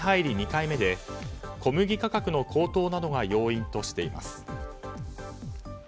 ２回目で小麦価格の高騰などが要因としています。